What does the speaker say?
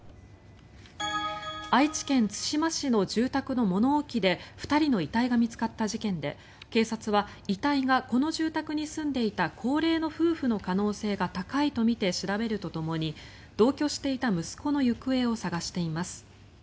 愛知県津島市の住宅の物置で２人の遺体が見つかった事件で警察は遺体がこの住宅に住んでいた高齢の夫婦の可能性が高いとみて調べるとともに同居していた息子の行方を捜しています。